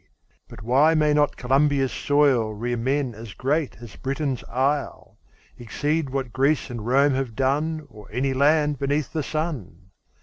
But why may not Columbia's soil Rear men as great as Britain's Isle, Exceed what Greece and Rome have done Or any land beneath the sun?